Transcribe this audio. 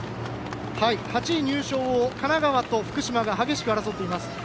８位入賞を神奈川と福島が激しく争っています。